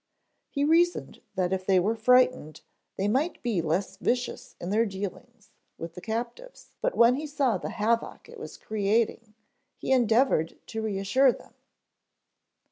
He reasoned that if they were frightened they might be less vicious in their dealings with their captives, but when he saw the havoc it was creating he endeavored to reassure them.